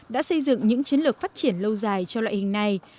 đã xây dựng những chiến lược phát triển lâu dài cho loại hình này